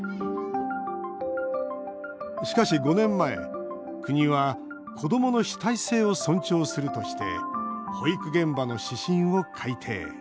しかし、５年前、国は子どもの主体性を尊重するとして保育現場の指針を改定。